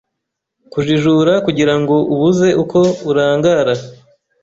kujijura kugirango ubuze uko urangara